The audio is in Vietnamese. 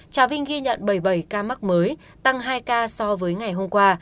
trà vinh ghi nhận bảy mươi bảy ca mắc mới tăng hai ca so với ngày hôm qua